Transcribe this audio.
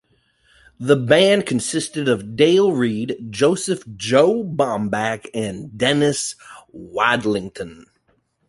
The band consisted of Dale Reed, Joseph "Joe" Bomback and Dennis Wadlington.